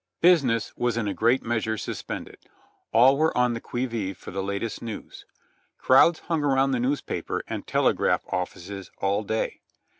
Business was in a great measure suspended, all were on the qui vive for the latest news. Crowds hung around the newspaper and telegraph offices all day.